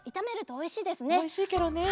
おいしいケロね。